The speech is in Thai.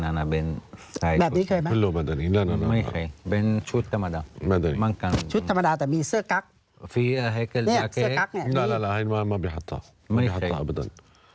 อันนี้พ่อยังไม่เคยเห็น